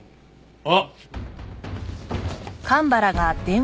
あっ！